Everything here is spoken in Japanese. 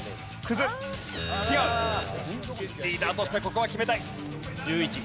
リーダーとしてここは決めたい。